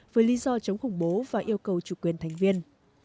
với lý do chống khủng bố và yêu cầu chủ quyền thành viên